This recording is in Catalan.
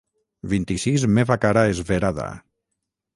Vint-i-sis meva cara esverada.